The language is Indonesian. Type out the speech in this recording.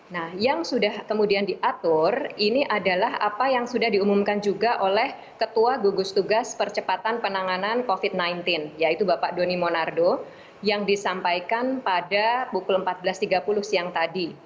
nah yang sudah kemudian diatur ini adalah apa yang sudah diumumkan juga oleh ketua gugus tugas percepatan penanganan covid sembilan belas yaitu bapak doni monardo yang disampaikan pada pukul empat belas tiga puluh siang tadi